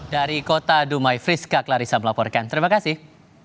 dari kota dumai friska clarissa melaporkan terima kasih